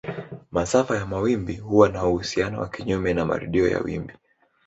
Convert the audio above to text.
Masafa ya mawimbi huwa na uhusiano wa kinyume na marudio ya wimbi.